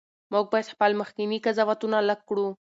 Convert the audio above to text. موږ باید خپل مخکني قضاوتونه لږ کړو.